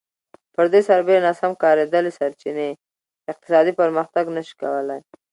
پر دې سربېره ناسم کارېدلې سرچینې اقتصادي پرمختګ نه شي کولای